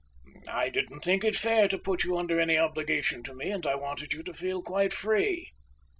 "I didn't think it fair to put you under any obligation to me, and I wanted you to feel quite free."